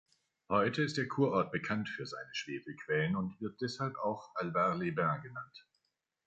Heute ist der Kurort bekannt für seine Schwefelquellen und wird deshalb auch "Allevard-les-Bains" genannt.